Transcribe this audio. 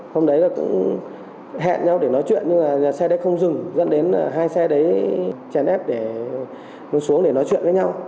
hôm đấy là cũng hẹn nhau để nói chuyện nhưng là nhà xe đấy không dừng dẫn đến hai xe đấy chèn ép để xuống để nói chuyện với nhau